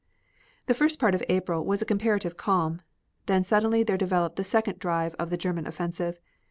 The first part of April was a comparative calm, when suddenly there developed the second drive of the German offensive.